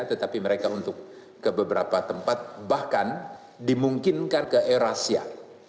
tetapi mereka untuk ke beberapa tempat bahkan dimungkinkan ke eurasia